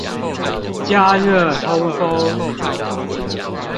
加熱通風